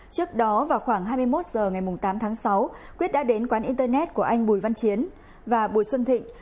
trước đó vào khoảng hai mươi một h ngày tám tháng sáu quyết đã đến quán internet của anh bùi văn chiến và bùi xuân thịnh